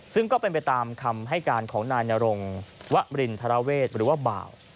ซึ่งก็เป็นไปตามคำให้การของนายนรงวรินทรเวศหรือว่าบ่าว